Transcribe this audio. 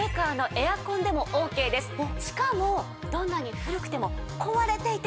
しかもどんなに古くても壊れていても大丈夫です。